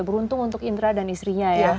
beruntung untuk indra dan istrinya ya